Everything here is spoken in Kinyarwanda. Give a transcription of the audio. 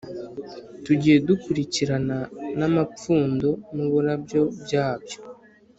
tugiye dukurikirana n’ amapfundo n’ uburabyo byabyo